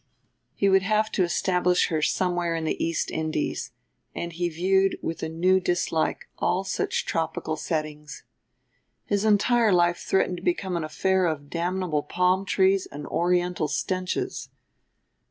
He would have to establish her somewhere in the East Indies; and he viewed with a new dislike all such tropical settings. His entire life threatened to become an affair of damnable palm trees and Oriental stenches.